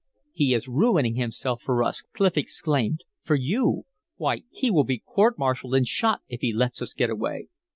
"He is ruining himself for us!" Clif exclaimed. "For you! Why he will be court martialed and shot if he lets us get away."